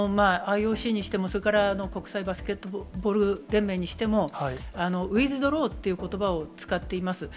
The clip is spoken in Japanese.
ＩＯＣにしても、それから、国際バスケットボール連盟にしても、ウィズドローっていうことばを使っています。